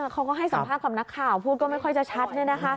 เขาก็ให้สัมภาษณ์กับนักข่าวพูดก็ไม่ค่อยจะชัด